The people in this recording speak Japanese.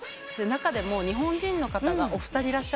中でも日本人の方がお二人いらっしゃって。